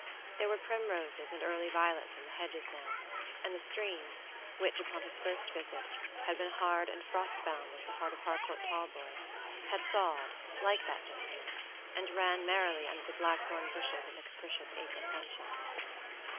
There were primroses and early violets in the hedges now, and the streams, which, upon his first visit, had been hard and frost bound as the heart of Harcourt Talboys, had thawed, like that gentleman, and ran merrily under the blackthorn bushes in the capricious April sunshine.